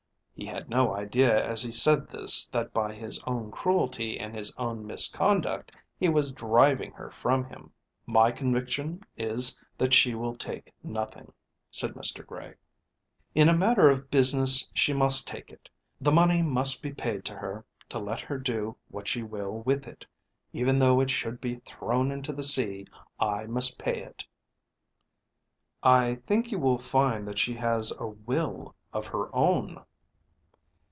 He had no idea as he said this that by his own cruelty and his own misconduct he was driving her from him. "My conviction is that she will take nothing," said Mr. Gray. "In a matter of business she must take it. The money must be paid to her, let her do what she will with it. Even though it should be thrown into the sea, I must pay it." "I think you will find that she has a will of her own."